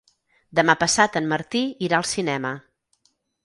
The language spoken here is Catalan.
Demà passat en Martí irà al cinema.